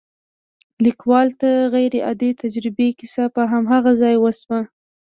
ليکوال ته د غير عادي تجربې کيسه په هماغه ځای وشوه.